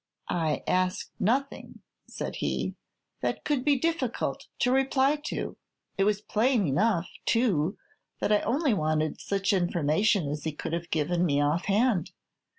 "I asked nothing," said he, "that could be difficult to reply to. It was plain enough, too, that I only wanted such information as he could have given me off hand.